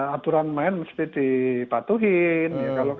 aturan main mesti dipatuhin